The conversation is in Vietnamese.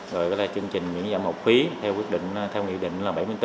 rồi là chương trình miễn giảm hộp phí theo nghị định bảy mươi bốn